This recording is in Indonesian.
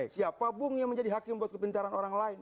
siapa bung yang menjadi hakim buat kepencaran orang lain